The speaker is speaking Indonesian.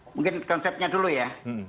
mungkin konsepnya dulu ya